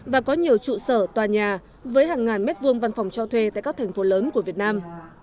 và có nhiều trụ sở tòa nhà với hàng ngàn mét vuông văn phòng cho thuê tại các thành phố lớn của việt nam